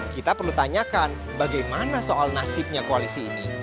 kita perlu tanyakan bagaimana soal nasibnya koalisi ini